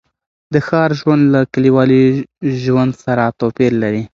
د ښار ژوند له کلیوالي ژوند سره توپیر لري.